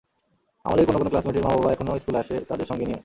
আমাদের কোনো কোনো ক্লাসমেটের মা–বাবা এখনো স্কুলে আসে তাদের সঙ্গে নিয়ে।